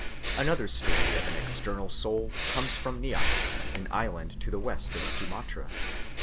Another story of an external soul comes from Nias, an island to the west of Sumatra.